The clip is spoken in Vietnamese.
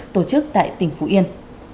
tổ chức tại tỉnh phú yên